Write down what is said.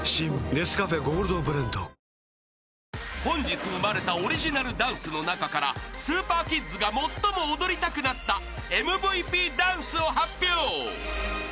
［本日生まれたオリジナルダンスの中からスーパーキッズが最も踊りたくなった］